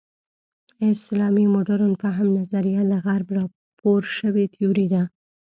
اسلامي مډرن فهم نظریه له غرب راپور شوې تیوري ده.